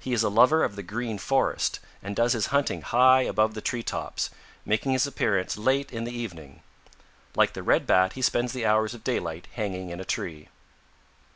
He is a lover of the Green Forest and does his hunting high above the tree tops, making his appearance late in the evening. Like the Red Bat he spends the hours of daylight hanging in a tree.